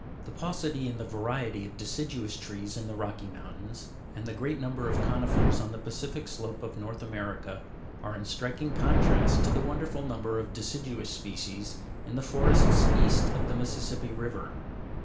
The paucity in the variety of deciduous trees in the Rocky Mountains, and the great number of conifers on the Pacific slope of North America, are in striking contrast to the wonderful number of deciduous species in the forests east of the Mississippi River.